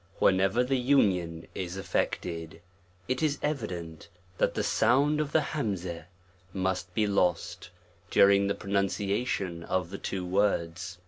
* Whenever the union is effected, it is evident that the sound of the humzqh must be lost, during the pronunciation of the two words.